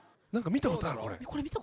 見たことある。